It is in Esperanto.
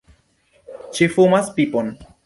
Ŝi fumas pipon!